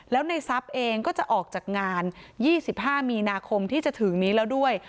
แล้วในทรัพย์เองก็จะออกจากงาน๒๕มีนาคมที่จะถึงนี้แล้วด้วย